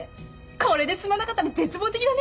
これで進まなかったら絶望的だね。